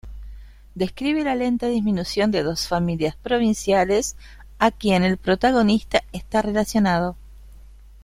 Describe la lenta disminución de dos familias provinciales a quien el protagonista está relacionado.